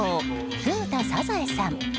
フグ田サザエさん。